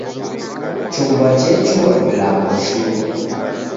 Chumba chechua vilambo shuu